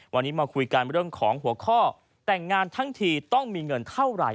วันนี้มาคุยกันเรื่องของหัวข้อแต่งงานทั้งทีต้องมีเงินเท่าไหร่